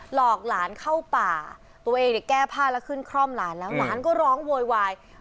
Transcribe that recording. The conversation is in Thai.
หลอกหลานเข้าป่าตัวเองเนี่ยแก้ผ้าแล้วขึ้นคร่อมหลานแล้วหลานก็ร้องโวยวาย